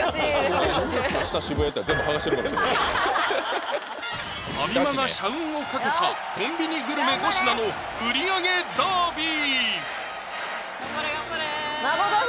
明日渋谷行ったらファミマが社運をかけたコンビニグルメ５品の売り上げダービー！